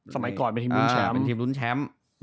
สมัยก่อนเป็นทีมรุ่นแชมป์